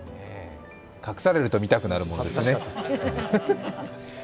隠されると見たくなるものですね。